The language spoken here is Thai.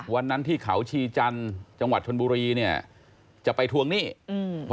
วันนั้นที่เขาชีจันทร์จังหวัดชนบุรีเนี่ยจะไปทวงหนี้อืม